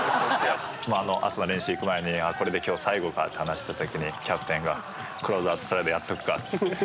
朝の練習行く前にこれで今日、最後かって話した時にキャプテンがクローズアウトスライドやっておくかって。